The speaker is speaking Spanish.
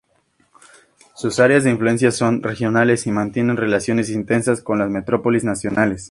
Sus áreas de influencia son regionales y mantienen relaciones intensas con las metrópolis nacionales.